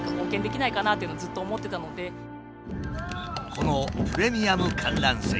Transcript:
このプレミアム観覧席。